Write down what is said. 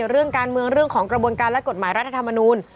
เรื่องการเมืองเรื่องของกระบวนการและกฎหมายรัฐธรรมนูล